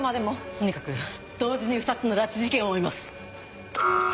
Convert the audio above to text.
とにかく同時に２つの拉致事件を追います。